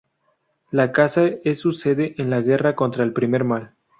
La casa es su sede en la guerra contra el Primer Mal.